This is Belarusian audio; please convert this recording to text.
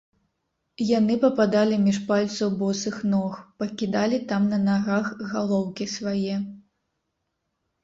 Яны пападалі між пальцаў босых ног, пакідалі там на нагах галоўкі свае.